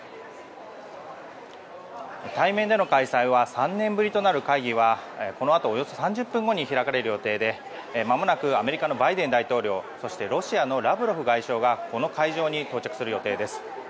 対面での開催は３年ぶりとなる会議はこの後およそ３０分後に開かれる予定でまもなくアメリカのバイデン大統領そしてロシアのラブロフ外相がこの会場に到着する予定です。